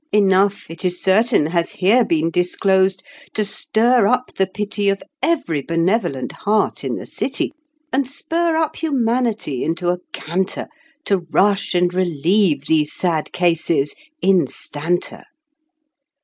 Enough, it is certain, Has here been disclosed to stir up the pity Of every benevolent heart in the city, And spur up humanity into a canter To rush and relieve these sad cases instanter.